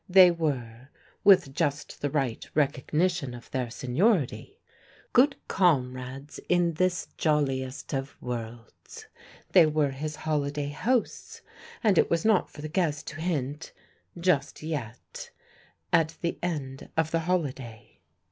They were (with just the right recognition of their seniority) good comrades in this jolliest of worlds. They were his holiday hosts, and it was not for the guest to hint (just yet) at the end of the holiday.